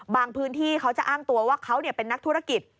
พื้นที่เขาจะอ้างตัวว่าเขาเป็นนักธุรกิจ